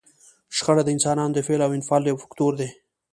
شخړه د انسانانو د فعل او انفعال یو فکتور دی.